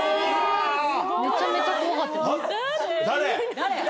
めちゃめちゃ怖かった。